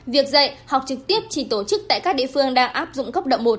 việc dạy học trực tiếp chỉ tổ chức tại các địa phương đang áp dụng cấp độ một